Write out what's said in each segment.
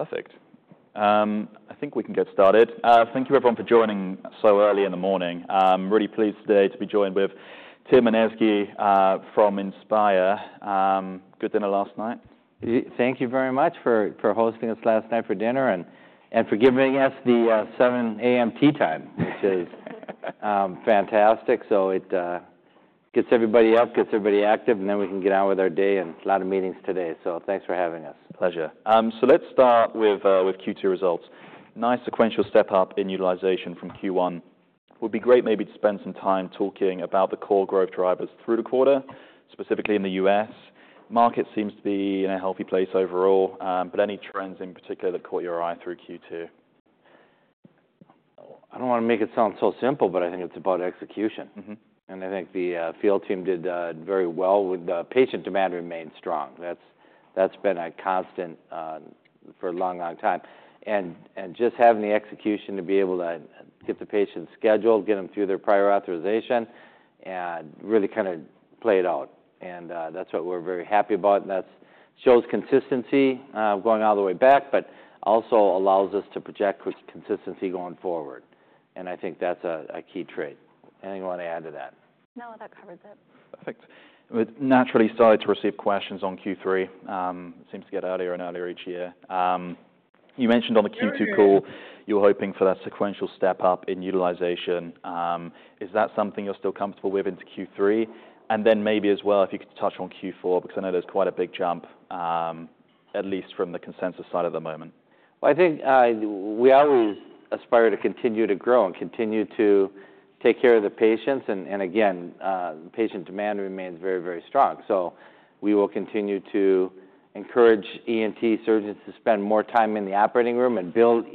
Perfect. I think we can get started. Thank you everyone for joining so early in the morning. I'm really pleased today to be joined with Tim and Ezgi from Inspire. Good dinner last night? Thank you very much for hosting us last night for dinner and for giving us the 7 A.M. tee time, which is fantastic. So it gets everybody up, gets everybody active, and then we can get on with our day, and a lot of meetings today. So thanks for having us. Pleasure. So let's start with Q2 results. Nice sequential step-up in utilization from Q1. Would be great maybe to spend some time talking about the core growth drivers through the quarter, specifically in the U.S. Market seems to be in a healthy place overall, but any trends in particular that caught your eye through Q2? I don't wanna make it sound so simple, but I think it's about execution. And I think the field team did very well with the patient demand remained strong. That's, that's been a constant for a long, long time. And, and just having the execution to be able to get the patients scheduled, get them through their prior authorization, and really kind of play it out. And, that's what we're very happy about, and that's shows consistency going all the way back, but also allows us to project with consistency going forward, and I think that's a key trait. Anything you want to add to that? No, that covers it. Perfect. We're naturally starting to receive questions on Q3. Seems to get earlier and earlier each year. You mentioned on the Q2 call you were hoping for that sequential step up in utilization. Is that something you're still comfortable with into Q3? And then maybe as well, if you could touch on Q4, because I know there's quite a big jump, at least from the consensus side at the moment. Well, I think, we always aspire to continue to grow and continue to take care of the patients, and, and again, the patient demand remains very, very strong. So we will continue to encourage ENT surgeons to spend more time in the operating room and build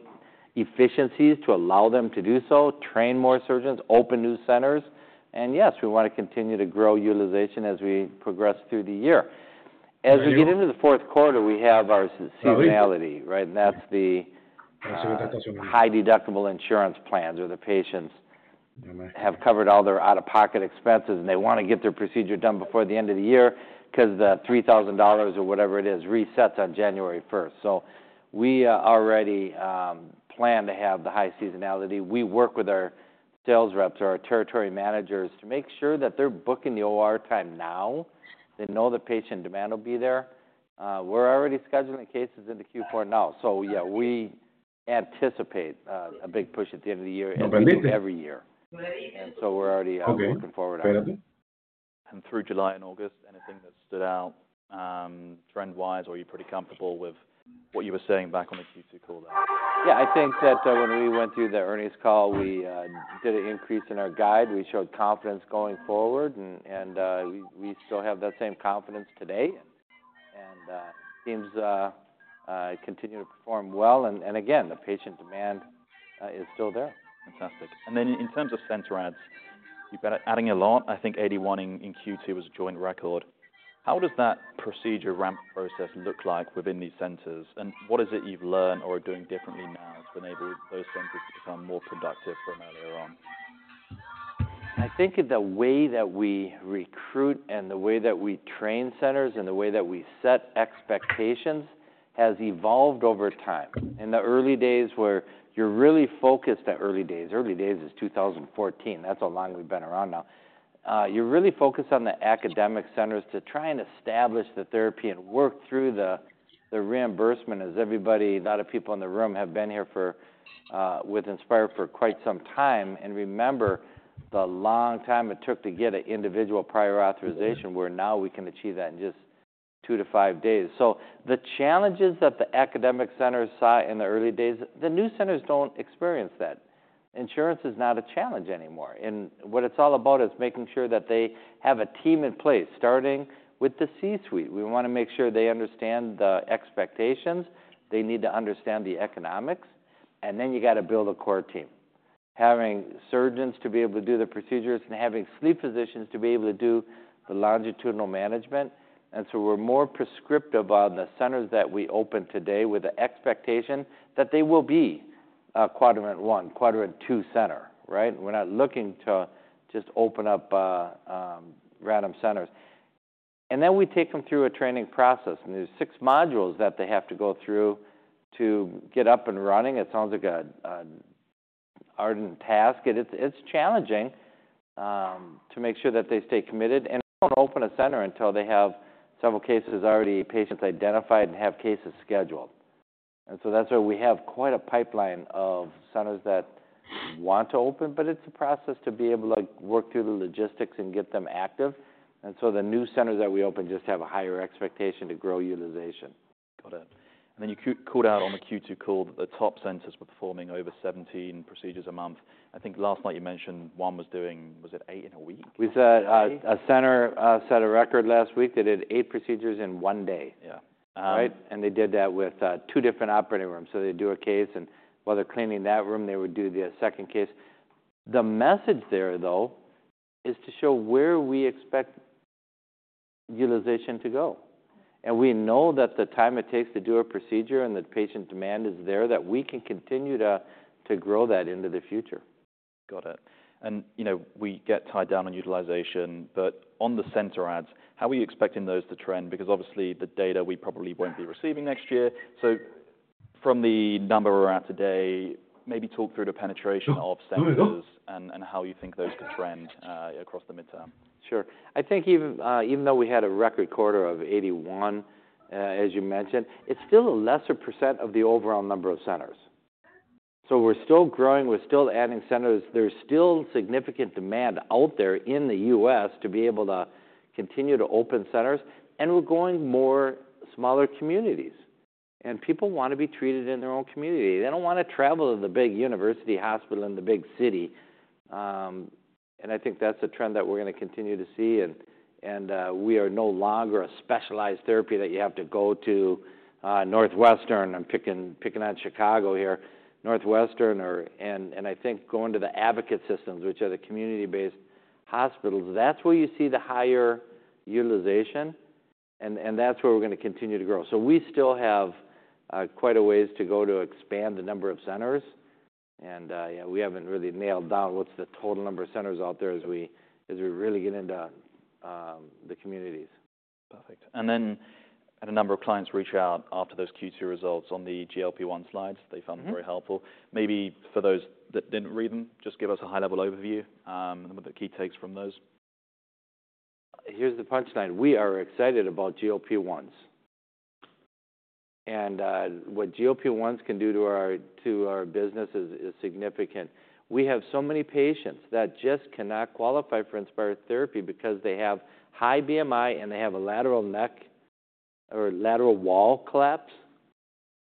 efficiencies to allow them to do so, train more surgeons, open new centers. And yes, we wanna continue to grow utilization as we progress through the year. As we get into the fourth quarter, we have our seasonality, right? And that's the high deductible insurance plans, where the patients have covered all their out-of-pocket expenses, and they wanna get their procedure done before the end of the year because the $3,000 or whatever it is, resets on January first. So we already plan to have the high seasonality. We work with our sales reps or our territory managers to make sure that they're booking the OR time now. They know the patient demand will be there. We're already scheduling cases into Q4 now. So yeah, we anticipate a big push at the end of the year, and we do every year, and so we're already working forward on it. Through July and August, anything that stood out, trend-wise, or are you pretty comfortable with what you were saying back on the Q2 call there? Yeah, I think that when we went through the earnings call, we did an increase in our guide. We showed confidence going forward, and we still have that same confidence today. And teams continue to perform well, and again, the patient demand is still there. Fantastic. And then in terms of center adds, you've been adding a lot. I think 81 in Q2 was a joint record. How does that procedure ramp process look like within these centers? And what is it you've learned or are doing differently now to enable those centers to become more productive from earlier on? I think the way that we recruit and the way that we train centers and the way that we set expectations has evolved over time. In the early days, where you're really focused. The early days is 2014. That's how long we've been around now. You're really focused on the academic centers to try and establish the therapy and work through the, the reimbursement, as everybody, a lot of people in the room have been here for, with Inspire for quite some time, and remember the long time it took to get an individual prior authorization, where now we can achieve that in just two to five days. So the challenges that the academic centers saw in the early days, the new centers don't experience that. Insurance is not a challenge anymore, and what it's all about is making sure that they have a team in place, starting with the C-suite. We wanna make sure they understand the expectations, they need to understand the economics, and then you got to build a core team, having surgeons to be able to do the procedures and having sleep physicians to be able to do the longitudinal management, and so we're more prescriptive on the centers that we open today with the expectation that they will be a Quadrant One, Quadrant Two center, right? We're not looking to just open up a random centers, and then we take them through a training process, and there's six modules that they have to go through to get up and running. It sounds like an arduous task, and it's challenging to make sure that they stay committed. We don't open a center until they have several cases already, patients identified and have cases scheduled. And so that's why we have quite a pipeline of centers that want to open, but it's a process to be able to work through the logistics and get them active. And so the new centers that we open just have a higher expectation to grow utilization. Got it. And then you called out on the Q2 call that the top centers were performing over seventeen procedures a month. I think last night you mentioned one was doing, was it eight in a week? We said. Eight? a center set a record last week. They did eight procedures in one day. Yeah. And they did that with two different operating rooms. So they'd do a case, and while they're cleaning that room, they would do the second case. The message there, though, is to show where we expect utilization to go. And we know that the time it takes to do a procedure and the patient demand is there, that we can continue to grow that into the future. Got it. And, you know, we get tied down on utilization, but on the center ads, how are you expecting those to trend? Because obviously, the data we probably won't be receiving next year. So from the number we're at today, maybe talk through the penetration of centers and how you think those could trend, across the midterm. Sure. I think even though we had a record quarter of 81, as you mentioned, it's still a lesser % of the overall number of centers. So we're still growing, we're still adding centers. There's still significant demand out there in the U.S. to be able to continue to open centers, and we're going more smaller communities. And people want to be treated in their own community. They don't want to travel to the big university hospital in the big city. And I think that's a trend that we're going to continue to see, and we are no longer a specialized therapy that you have to go to Northwestern. I'm picking on Chicago here. Northwestern and I think going to the Advocate Systems, which are the community-based hospitals, that's where you see the higher utilization, and that's where we're going to continue to grow. So we still have quite a ways to go to expand the number of centers. And yeah, we haven't really nailed down what's the total number of centers out there as we really get into the communities. Perfect. And then had a number of clients reach out after those Q2 results on the GLP-1 slides. They found them very helpful. Maybe for those that didn't read them, just give us a high-level overview, on what the key takes from those. Here's the punchline. We are excited about GLP-1s. What GLP-1s can do to our business is significant. We have so many patients that just cannot qualify for Inspire therapy because they have high BMI, and they have a lateral wall collapse,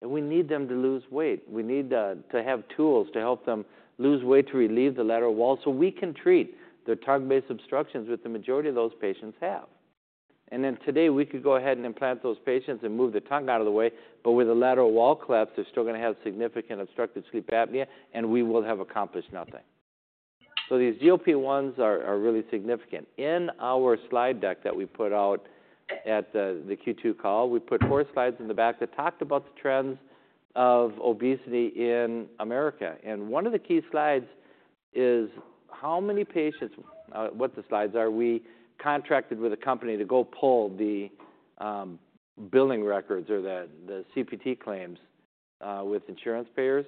and we need them to lose weight. We need to have tools to help them lose weight, to relieve the lateral wall, so we can treat the tongue-based obstructions, which the majority of those patients have. Today, we could go ahead and implant those patients and move the tongue out of the way, but with a lateral wall collapse, they're still going to have significant obstructive sleep apnea, and we will have accomplished nothing. So these GLP-1s are really significant. In our slide deck that we put out at the Q2 call, we put four slides in the back that talked about the trends of obesity in America. And one of the key slides is how many patients what the slides are, we contracted with a company to go pull the billing records or the CPT claims with insurance payers.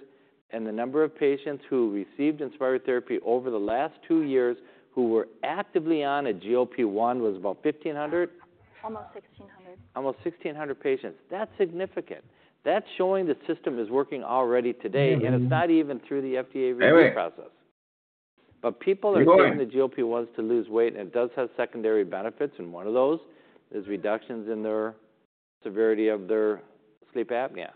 And the number of patients who received Inspire therapy over the last two years, who were actively on a GLP-1, was about 1500? Almost 1600. Almost sixteen hundred patients. That's significant. That's showing the system is working already today and it's not even through the FDA review process. Right. But people are getting Moving the GLP-1s to lose weight, and it does have secondary benefits, and one of those is reductions in their severity of their sleep apnea.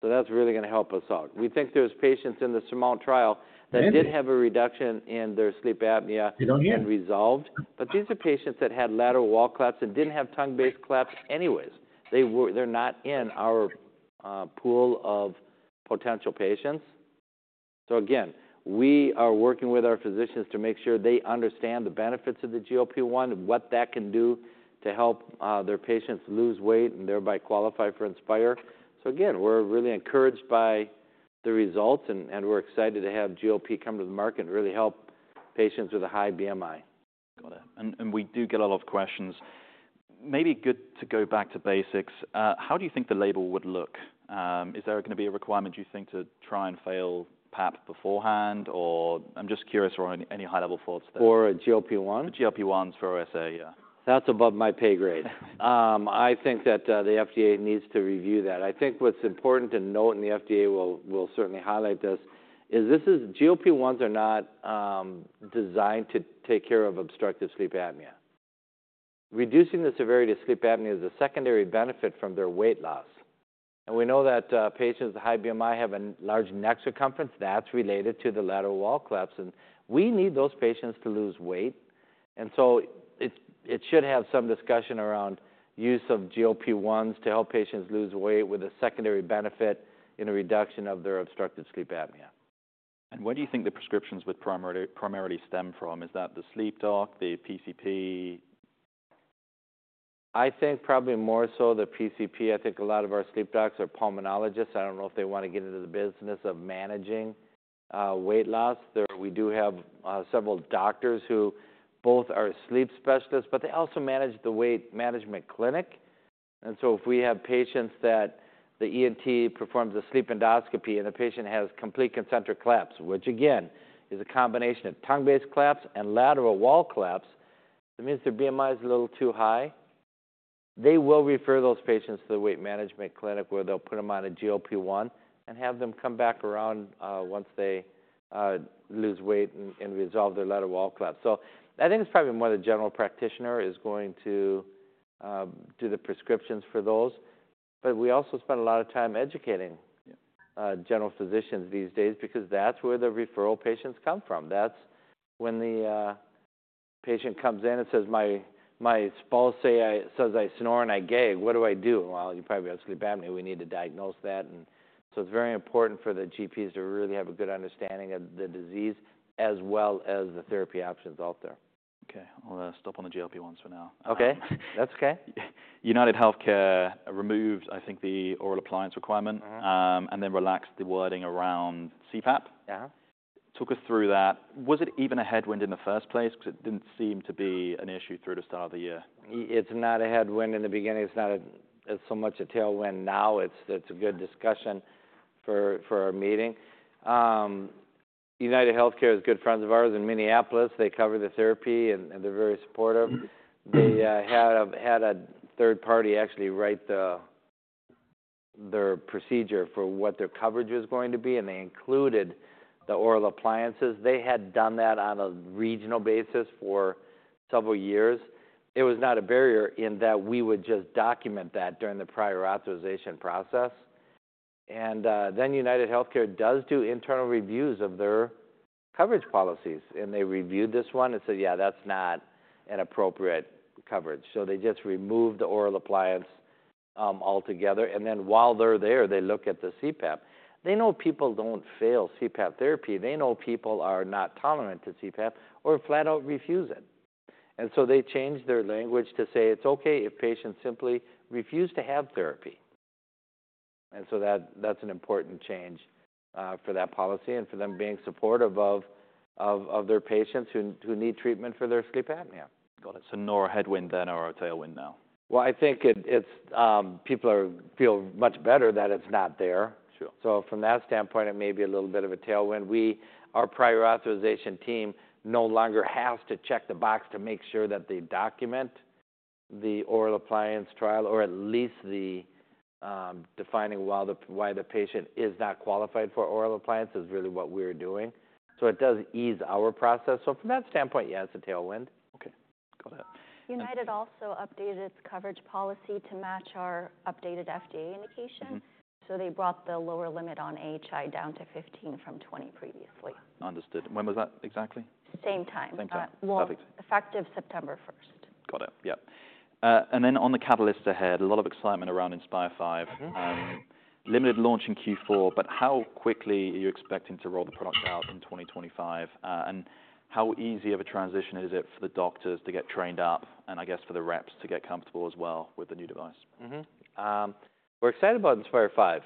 So that's really going to help us out. We think there's patients in the SURMOUNT trial Maybe that did have a reduction in their sleep apnea- We don't yet. and resolved. But these are patients that had lateral wall collapse and didn't have tongue-based collapse anyways. They're not in our pool of potential patients. So again, we are working with our physicians to make sure they understand the benefits of the GLP-1 and what that can do to help their patients lose weight and thereby qualify for Inspire. So again, we're really encouraged by the results, and we're excited to have GLP come to the market and really help patients with a high BMI. Got it. And we do get a lot of questions. Maybe good to go back to basics. How do you think the label would look? Is there going to be a requirement, do you think, to try and fail PAP beforehand or I'm just curious or any high-level thoughts there. For a GLP-1? The GLP-1s for SA, yeah. That's above my pay grade. I think that the FDA needs to review that. I think what's important to note, and the FDA will certainly highlight this, is GLP-1s are not designed to take care of obstructive sleep apnea. Reducing the severity of sleep apnea is a secondary benefit from their weight loss. And we know that patients with high BMI have a large neck circumference that's related to the lateral wall collapse, and we need those patients to lose weight. And so it should have some discussion around use of GLP-1s to help patients lose weight, with a secondary benefit in a reduction of their obstructive sleep apnea. Where do you think the prescriptions would primarily stem from? Is that the sleep doc, the PCP? I think probably more so the PCP. I think a lot of our sleep docs are pulmonologists. I don't know if they want to get into the business of managing weight loss. We do have several doctors who both are sleep specialists, but they also manage the weight management clinic. And so if we have patients that the ENT performs a sleep endoscopy, and the patient has complete concentric collapse, which again, is a combination of tongue-based collapse and lateral wall collapse, it means their BMI is a little too high. They will refer those patients to the weight management clinic, where they'll put them on a GLP-1 and have them come back around once they lose weight and resolve their lateral wall collapse. So I think it's probably more the general practitioner is going to do the prescriptions for those. But we also spend a lot of time educating Yeah general physicians these days because that's where the referral patients come from. That's when the patient comes in and says, "My spouse says I snore and I gag. What do I do?" "Well, you probably have sleep apnea. We need to diagnose that." And so it's very important for the GPs to really have a good understanding of the disease, as well as the therapy options out there. Okay, I'll stop on the GLP-1s for now. Okay. That's okay. UnitedHealthcare removed, I think, the oral appliance requirement and then relaxed the wording around CPAP. Yeah. Talk us through that. Was it even a headwind in the first place? 'Cause it didn't seem to be an issue through the start of the year. It's not a headwind in the beginning. It's not as much a tailwind now. It's a good discussion for our meeting. UnitedHealthcare is good friends of ours. In Minneapolis, they cover the therapy, and they're very supportive. They had a third party actually write their procedure for what their coverage was going to be, and they included the oral appliances. They had done that on a regional basis for several years. It was not a barrier in that we would just document that during the prior authorization process. And then UnitedHealthcare does do internal reviews of their coverage policies, and they reviewed this one and said, "Yeah, that's not an appropriate coverage." So they just removed the oral appliance altogether, and then while they're there, they look at the CPAP. They know people don't fail CPAP therapy. They know people are not tolerant to CPAP or flat out refuse it. And so they changed their language to say, "It's okay if patients simply refuse to have therapy." And so that, that's an important change for that policy and for them being supportive of their patients who need treatment for their sleep apnea. Got it. So no headwind then or a tailwind now? I think it's People feel much better that it's not there. Sure. So from that standpoint, it may be a little bit of a tailwind. We, our prior authorization team, no longer have to check the box to make sure that they document the oral appliance trial, or at least the defining why the patient is not qualified for oral appliance, is really what we're doing. So it does ease our process. So from that standpoint, yeah, it's a tailwind. Okay. Got it. United also updated its coverage policy to match our updated FDA indication. They brought the lower limit on AHI down to 15 from 20 previously. Understood. When was that exactly? Same time. Same time. Uh, well Perfect effective September 1st. Got it. Yeah. And then on the catalysts ahead, a lot of excitement around Inspire V. Limited launch in Q4, but how quickly are you expecting to roll the product out in 2025? And how easy of a transition is it for the doctors to get trained up, and I guess for the reps to get comfortable as well with the new device? We're excited about Inspire V.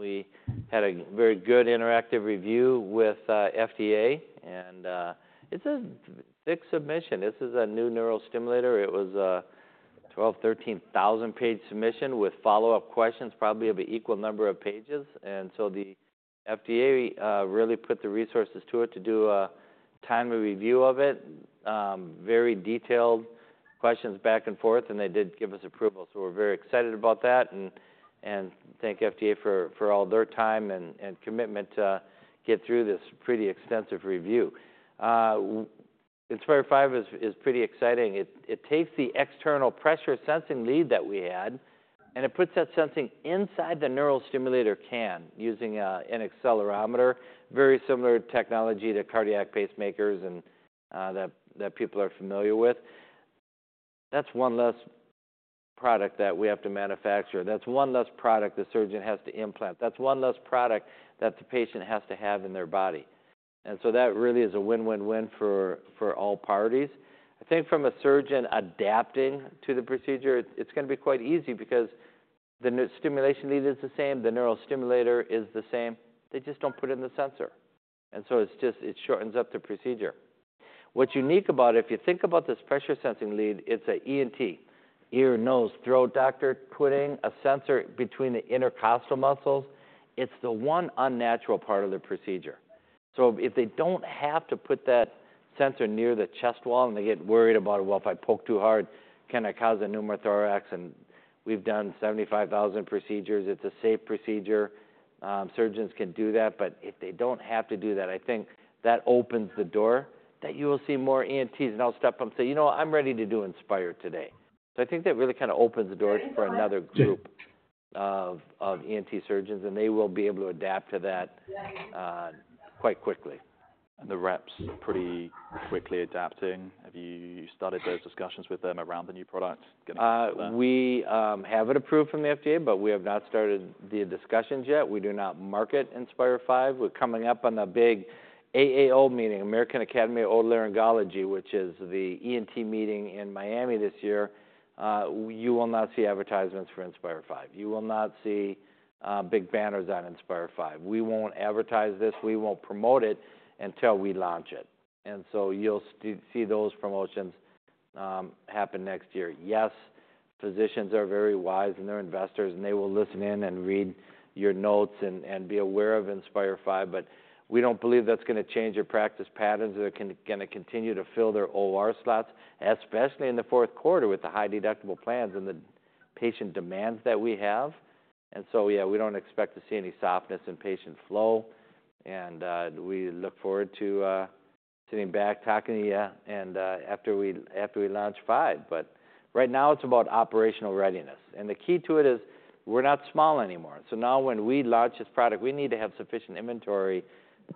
We had a very good interactive review with FDA, and it's a thick submission. This is a new neurostimulator. It was a 12-13 thousand-page submission with follow-up questions, probably of an equal number of pages. And so the FDA really put the resources to it to do a timely review of it. Very detailed questions back and forth, and they did give us approval, so we're very excited about that, and thank FDA for all their time and commitment to get through this pretty extensive review. Inspire V is pretty exciting. It takes the external pressure sensing lead that we had, and it puts that sensing inside the neurostimulator can, using an accelerometer. Very similar technology to cardiac pacemakers and that people are familiar with. That's one less product that we have to manufacture. That's one less product the surgeon has to implant. That's one less product that the patient has to have in their body. And so that really is a win-win-win for all parties. I think from a surgeon adapting to the procedure, it's gonna be quite easy because the new stimulation lead is the same, the neurostimulator is the same. They just don't put in the sensor, and so it's just it shortens up the procedure. What's unique about it, if you think about this pressure sensing lead, it's an ENT, ear, nose, throat doctor, putting a sensor between the intercostal muscles. It's the one unnatural part of the procedure. So if they don't have to put that sensor near the chest wall, and they get worried about it, "Well, if I poke too hard, can I cause a pneumothorax?" We've done 75,000 procedures, it's a safe procedure. Surgeons can do that, but if they don't have to do that, I think that opens the door, that you will see more ENTs not hesitate to step up and say, "You know what? I'm ready to do Inspire today." So I think that really kinda opens the door for another group of ENT surgeons, and they will be able to adapt to that quite quickly. The reps are pretty quickly adapting? Have you started those discussions with them around the new product? We have it approved from the FDA, but we have not started the discussions yet. We do not market Inspire V. We're coming up on the big AAO meeting, American Academy of Otolaryngology, which is the ENT meeting in Miami this year. You will not see advertisements for Inspire V. You will not see big banners on Inspire V. We won't advertise this, we won't promote it until we launch it, and so you'll see those promotions happen next year. Yes, physicians are very wise, and they're investors, and they will listen in and read your notes and be aware of Inspire V, but we don't believe that's gonna change their practice patterns, or they're gonna continue to fill their OR slots, especially in the fourth quarter, with the high-deductible plans and the patient demands that we have. And so yeah, we don't expect to see any softness in patient flow, and we look forward to sitting back, talking to you, and after we launch 5. But right now, it's about operational readiness. And the key to it is, we're not small anymore. So now when we launch this product, we need to have sufficient inventory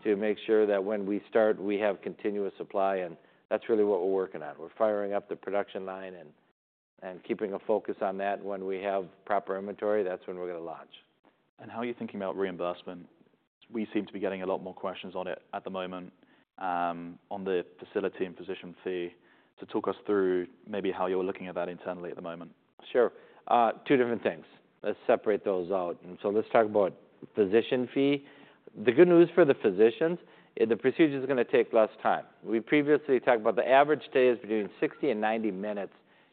to make sure that when we start, we have continuous supply, and that's really what we're working on. We're firing up the production line and keeping a focus on that when we have proper inventory, that's when we're gonna launch. And how are you thinking about reimbursement? We seem to be getting a lot more questions on it at the moment, on the facility and physician fee. So talk us through maybe how you're looking at that internally at the moment. Sure. Two different things. Let's separate those out, and so let's talk about physician fee. The good news for the physicians is the procedure is gonna take less time. We previously talked about the average day is between 60 and 90 minutes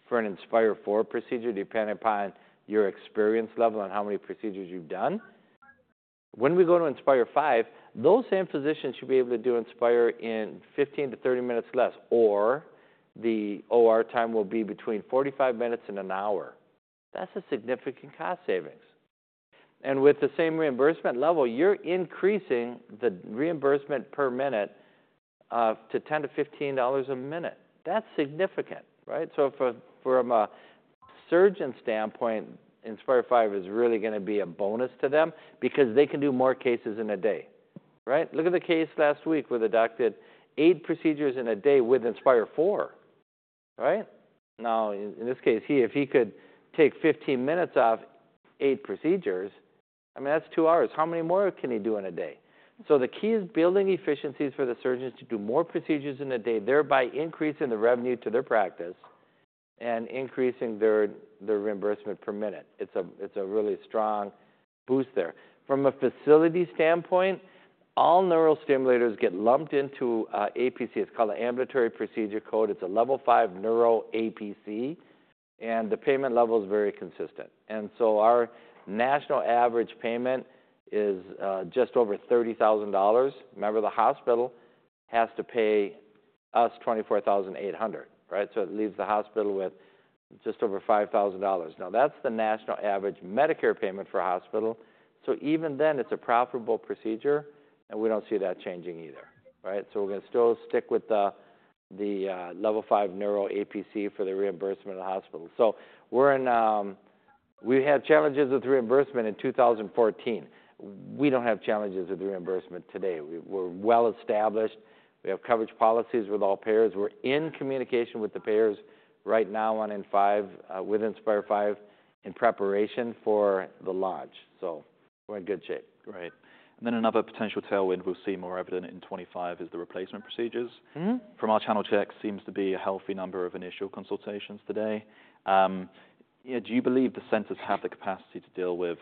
for an Inspire IV procedure, depending upon your experience level and how many procedures you've done. When we go to Inspire V, those same physicians should be able to do Inspire in 15 to 30 minutes less, or the OR time will be between 45 minutes and an hour. That's a significant cost savings. And with the same reimbursement level, you're increasing the reimbursement per minute to $10-$15 a minute. That's significant, right? So from a surgeon standpoint, Inspire V is really gonna be a bonus to them because they can do more cases in a day, right? Look at the case last week, where the doc did eight procedures in a day with Inspire IV, right? Now, in this case, if he could take 15 minutes off eight procedures, I mean, that's two hours. How many more can he do in a day? So the key is building efficiencies for the surgeons to do more procedures in a day, thereby increasing the revenue to their practice and increasing their reimbursement per minute. It's a really strong boost there. From a facility standpoint, all neurostimulators get lumped into a APC. It's called an ambulatory procedure code. It's a level five neuro APC, and the payment level is very consistent. And so our national average payment is just over $30,000. Remember, the hospital has to pay us $24,800, right? So it leaves the hospital with just over $5,000. Now, that's the national average Medicare payment for a hospital, so even then, it's a profitable procedure, and we don't see that changing either, right? So we're gonna still stick with the level five neuro APC for the reimbursement of the hospital. So we're in. We had challenges with reimbursement in 2014. We don't have challenges with reimbursement today. We're well established. We have coverage policies with all payers. We're in communication with the payers right now on Gen 5 with Inspire V, in preparation for the launch, so we're in good shape. Great. And then another potential tailwind we'll see more evident in 2025 is the replacement procedures. From our channel check, seems to be a healthy number of initial consultations today. Yeah, do you believe the sensors have the capacity to deal with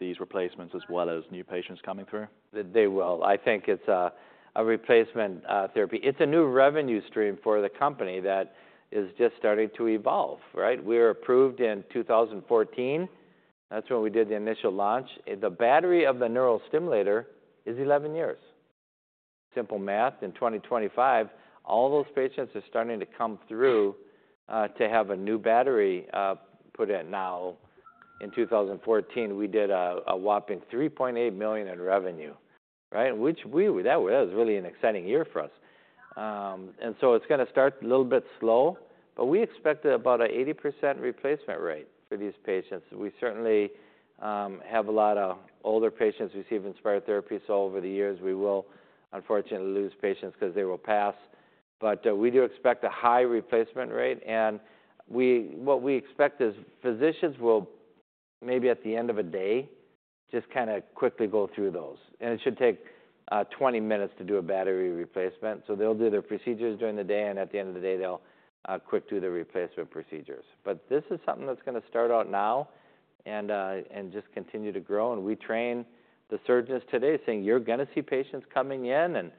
these replacements as well as new patients coming through? They will. I think it's a replacement therapy. It's a new revenue stream for the company that is just starting to evolve, right? We were approved in 2014. That's when we did the initial launch. The battery of the neurostimulator is eleven years. Simple math, in 2025, all those patients are starting to come through to have a new battery put in. Now, in 2014, we did a whopping $3.8 million in revenue, right? That was really an exciting year for us. And so it's gonna start a little bit slow, but we expect about a 80% replacement rate for these patients. We certainly have a lot of older patients receive Inspire therapy, so over the years, we will, unfortunately, lose patients 'cause they will pass. But, we do expect a high replacement rate, and what we expect is physicians will, maybe at the end of a day, just kinda quickly go through those. And it should take twenty minutes to do a battery replacement. So they'll do their procedures during the day, and at the end of the day, they'll quick do the replacement procedures. But this is something that's gonna start out now and just continue to grow. And we train the surgeons today, saying, "You're gonna see patients coming in, and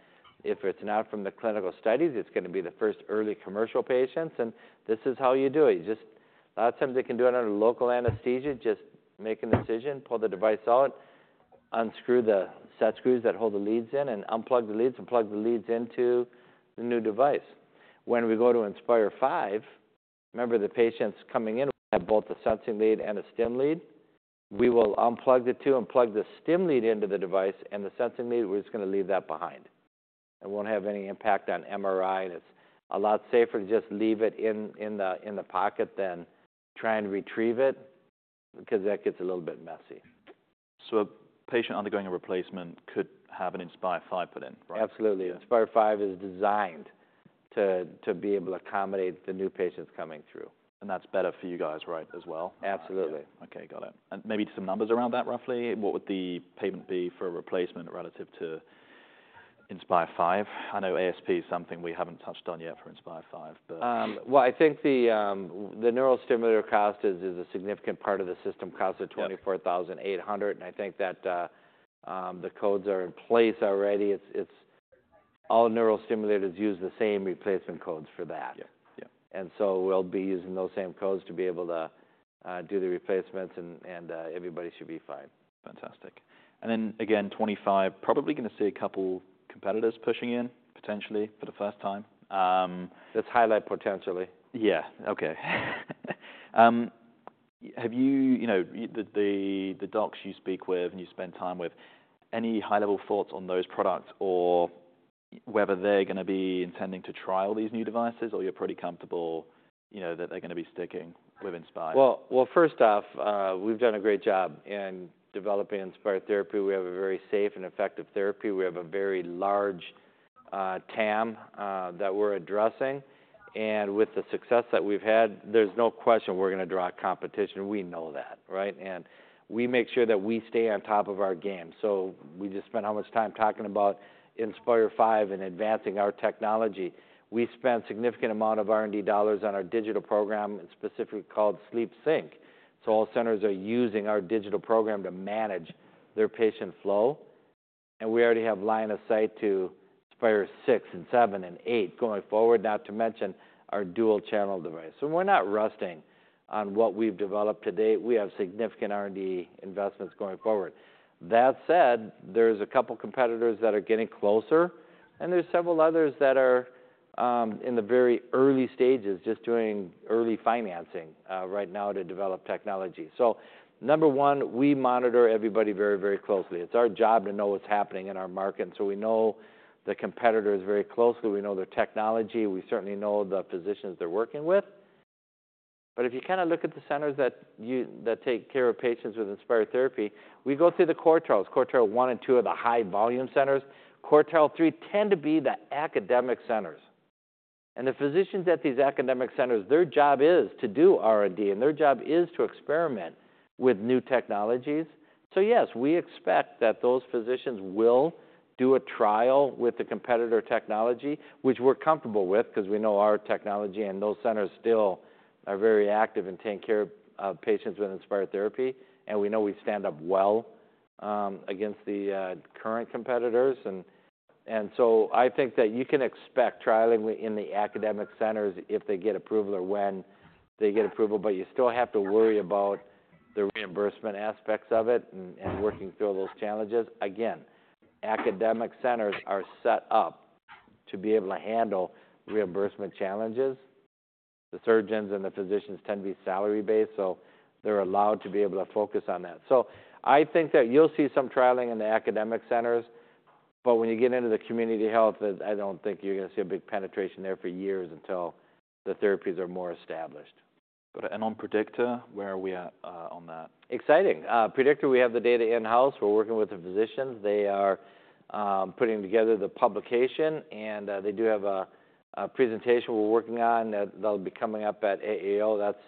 if it's not from the clinical studies, it's gonna be the first early commercial patients, and this is how you do it." You just... A lot of times, they can do it under local anesthesia, just make an incision, pull the device out, unscrew the set screws that hold the leads in, and unplug the leads, and plug the leads into the new device. When we go to Inspire V, remember, the patients coming in will have both a sensing lead and a stim lead. We will unplug the two and plug the stim lead into the device, and the sensing lead, we're just gonna leave that behind. It won't have any impact on MRI, and it's a lot safer to just leave it in the pocket than trying to retrieve it, because that gets a little bit messy. So a patient undergoing a replacement could have an Inspire V put in, right? Absolutely. Yeah. Inspire V is designed to be able to accommodate the new patients coming through. That's better for you guys, right, as well? Absolutely. Okay, got it. And maybe some numbers around that, roughly? What would the payment be for a replacement relative to Inspire V? I know ASP is something we haven't touched on yet for Inspire V, but... I think the neurostimulator cost is a significant part of the system cost. Yeah of 24,800, and I think that the codes are in place already. It's all neurostimulators use the same replacement codes for that. Yeah. Yeah. And so we'll be using those same codes to be able to do the replacements, and everybody should be fine. Fantastic. And then again, 2025, probably gonna see a couple competitors pushing in, potentially, for the first time. Let's highlight potentially. Yeah. Okay. Have you, you know, the docs you speak with and you spend time with, any high-level thoughts on those products, or whether they're gonna be intending to trial these new devices, or you're pretty comfortable, you know, that they're gonna be sticking with Inspire? First off, we've done a great job in developing Inspire therapy. We have a very safe and effective therapy. We have a very large TAM that we're addressing. With the success that we've had, there's no question we're gonna draw competition. We know that, right? We make sure that we stay on top of our game. We just spent how much time talking about Inspire V and advancing our technology. We spent significant amount of R&D dollars on our digital program, in specific, called SleepSync. All centers are using our digital program to manage their patient flow, and we already have line of sight to Inspire VI and VII and VIII going forward, not to mention our dual-channel device. We're not resting on what we've developed to date. We have significant R&D investments going forward. That said, there's a couple competitors that are getting closer, and there's several others that are in the very early stages, just doing early financing right now to develop technology. So number one, we monitor everybody very, very closely. It's our job to know what's happening in our market, so we know the competitors very closely. We know their technology, we certainly know the physicians they're working with. But if you kind of look at the centers that take care of patients with Inspire therapy, we go through the quartiles. Quartile one and two are the high-volume centers. Quartile three tend to be the academic centers. And the physicians at these academic centers, their job is to do R&D, and their job is to experiment with new technologies. So yes, we expect that those physicians will do a trial with the competitor technology, which we're comfortable with, 'cause we know our technology and those centers still are very active in taking care of patients with Inspire therapy, and we know we stand up well against the current competitors, and so I think that you can expect trialing in the academic centers if they get approval or when they get approval, but you still have to worry about the reimbursement aspects of it and working through those challenges. Again, academic centers are set up to be able to handle reimbursement challenges. The surgeons and the physicians tend to be salary-based, so they're allowed to be able to focus on that. So I think that you'll see some trialing in the academic centers, but when you get into the community health, I don't think you're gonna see a big penetration there for years until the therapies are more established. Got it. And on Predictor, where are we at, on that? Exciting. Predictor, we have the data in-house. We're working with the physicians. They are putting together the publication, and they do have a presentation we're working on that'll be coming up at AAO. That's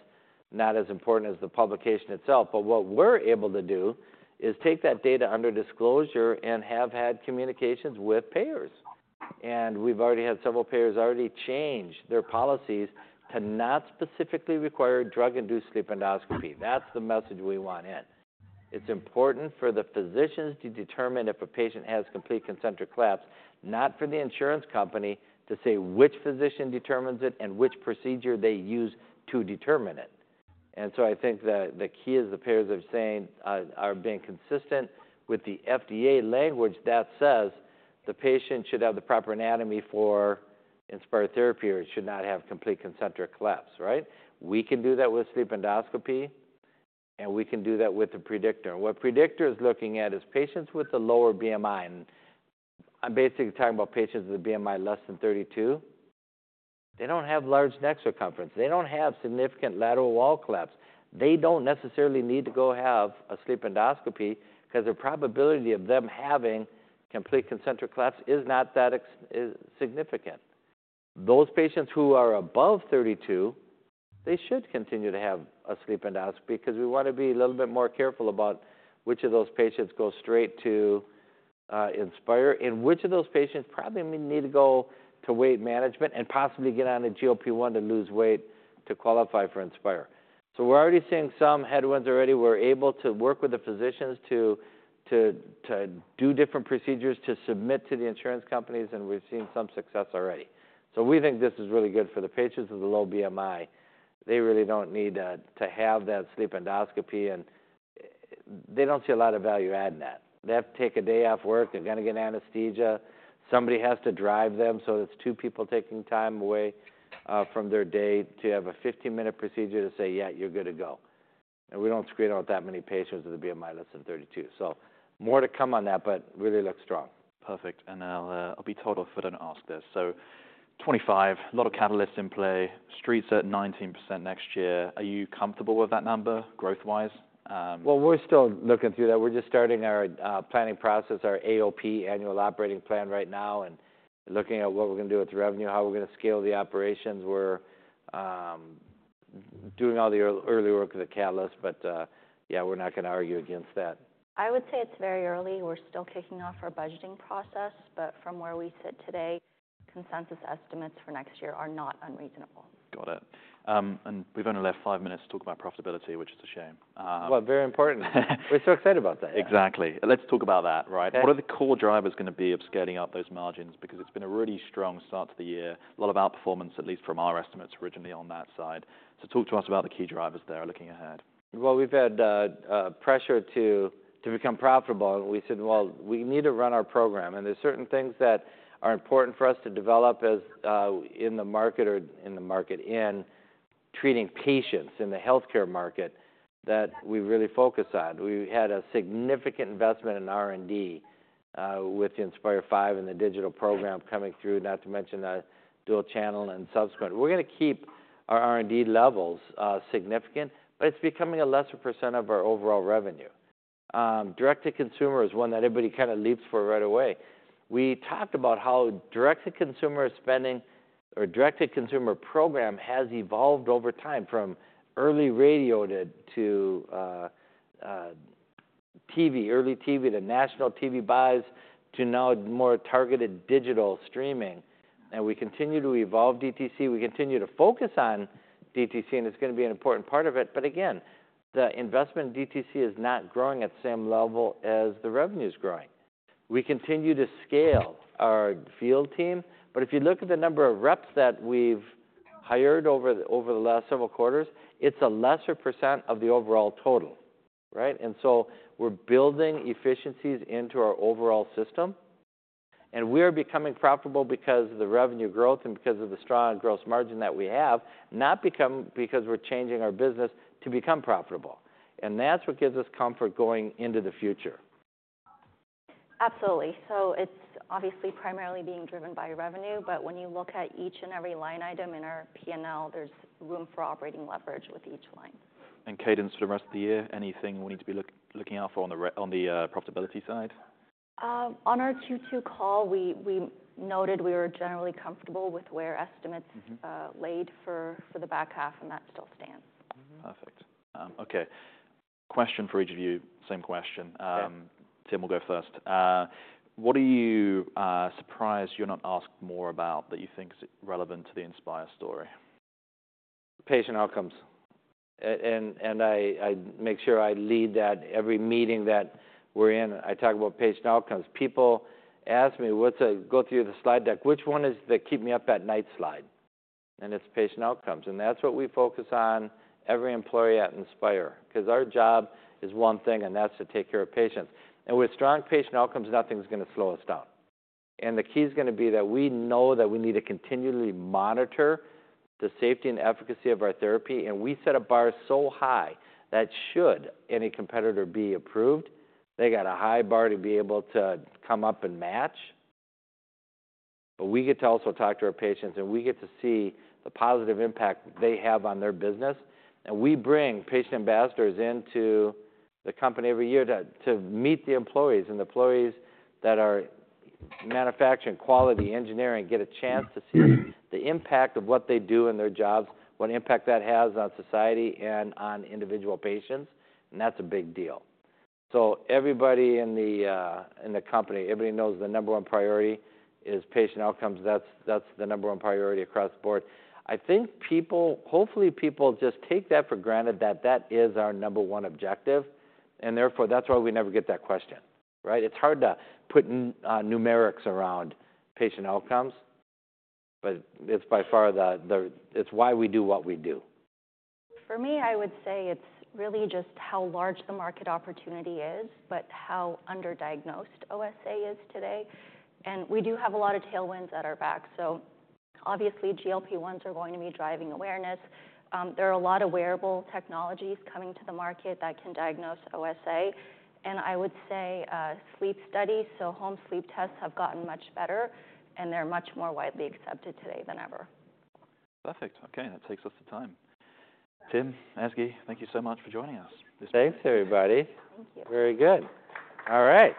not as important as the publication itself, but what we're able to do is take that data under disclosure and have had communications with payers. And we've already had several payers change their policies to not specifically require drug-induced sleep endoscopy. That's the message we want in. It's important for the physicians to determine if a patient has complete concentric collapse, not for the insurance company to say which physician determines it and which procedure they use to determine it. And so I think that the key is the payers are saying... are being consistent with the FDA language that says, "The patient should have the proper anatomy for Inspire therapy or should not have complete concentric collapse," right? We can do that with sleep endoscopy, and we can do that with the Predictor. What Predictor is looking at is patients with a lower BMI, and I'm basically talking about patients with a BMI less than 32. They don't have large neck circumference. They don't have significant lateral wall collapse. They don't necessarily need to go have a sleep endoscopy, 'cause the probability of them having complete concentric collapse is not that significant. Those patients who are above 32, they should continue to have a sleep endoscopy, 'cause we wanna be a little bit more careful about which of those patients go straight to Inspire, and which of those patients probably may need to go to weight management and possibly get on a GLP-1 to lose weight to qualify for Inspire. We're already seeing some headwinds already. We're able to work with the physicians to do different procedures to submit to the insurance companies, and we've seen some success already. We think this is really good for the patients with a low BMI. They really don't need to have that sleep endoscopy, and they don't see a lot of value adding that. They have to take a day off work. They're gonna get anesthesia. Somebody has to drive them, so it's two people taking time away from their day to have a fifteen-minute procedure to say, "Yeah, you're good to go." And we don't screen out that many patients with a BMI less than 32. So more to come on that, but really looks strong. Perfect. And I'll be told off if I don't ask this. So 2025, a lot of catalysts in play. Street's at 19% next year. Are you comfortable with that number, growth-wise? We're still looking through that. We're just starting our planning process, our AOP, annual operating plan, right now, and looking at what we're gonna do with the revenue, how we're gonna scale the operations. We're doing all the early work of the catalyst, but yeah, we're not gonna argue against that. I would say it's very early. We're still kicking off our budgeting process, but from where we sit today, consensus estimates for next year are not unreasonable. Got it. And we've only left five minutes to talk about profitability, which is a shame. Very important. We're so excited about that. Exactly. Let's talk about that, right? Okay. What are the core drivers gonna be of scaling up those margins? Because it's been a really strong start to the year, a lot of outperformance, at least from our estimates originally on that side. So talk to us about the key drivers there, looking ahead. We've had pressure to become profitable, and we said, "Well, we need to run our program." There's certain things that are important for us to develop as in the market or in the market, in treating patients in the healthcare market, that we really focus on. We've had a significant investment in R&D with the Inspire V and the digital program coming through, not to mention the dual channel and subsequent. We're gonna keep our R&D levels significant, but it's becoming a lesser percent of our overall revenue. Direct-to-consumer is one that everybody kind of leaps for right away. We talked about how direct-to-consumer spending or direct-to-consumer program has evolved over time, from early radio to TV, early TV, to national TV buys, to now more targeted digital streaming. We continue to evolve DTC. We continue to focus on DTC, and it's gonna be an important part of it. But again, the investment in DTC is not growing at the same level as the revenue's growing. We continue to scale our field team, but if you look at the number of reps that we've hired over the last several quarters, it's a lesser percent of the overall total, right? And so we're building efficiencies into our overall system, and we're becoming profitable because of the revenue growth and because of the strong gross margin that we have, not because we're changing our business to become profitable. And that's what gives us comfort going into the future. Absolutely. So it's obviously primarily being driven by revenue, but when you look at each and every line item in our P&L, there's room for operating leverage with each line. Cadence for the rest of the year, anything we need to be looking out for on the profitability side? On our Q2 call, we noted we were generally comfortable with where estimates laid for the back half, and that still stands. Perfect. Okay. Question for each of you, same question. Yeah. Tim, we'll go first. What are you surprised you're not asked more about that you think is relevant to the Inspire story? Patient outcomes, and I make sure I lead that every meeting that we're in. I talk about patient outcomes. People ask me, "What's a..." Go through the slide deck, "Which one is the keep me up at night slide?", and it's patient outcomes, and that's what we focus on, every employee at Inspire. 'Cause our job is one thing, and that's to take care of patients, and with strong patient outcomes, nothing's gonna slow us down, and the key's gonna be that we know that we need to continually monitor the safety and efficacy of our therapy, and we set a bar so high that should any competitor be approved, they got a high bar to be able to come up and match, but we get to also talk to our patients, and we get to see the positive impact they have on their business. And we bring patient ambassadors into the company every year to meet the employees, and the employees that are manufacturing quality engineering get a chance to seethe impact of what they do in their jobs, what impact that has on society and on individual patients, and that's a big deal. So everybody in the, in the company, everybody knows the number one priority is patient outcomes. That's, that's the number one priority across the board. I think hopefully, people just take that for granted that that is our number one objective, and therefore, that's why we never get that question, right? It's hard to put numerics around patient outcomes, but it's by far the It's why we do what we do. For me, I would say it's really just how large the market opportunity is, but how underdiagnosed OSA is today. And we do have a lot of tailwinds at our back. So obviously, GLP-1s are going to be driving awareness. There are a lot of wearable technologies coming to the market that can diagnose OSA. And I would say, sleep studies, so home sleep tests have gotten much better, and they're much more widely accepted today than ever. Perfect. Okay, that takes us to time. Tim, Ezgi, thank you so much for joining us. Thanks, everybody. Thank you. Very good. All right.